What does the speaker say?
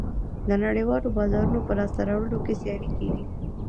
د نړیوالو بازارونو په لاسته راوړلو کې سیالي کېږي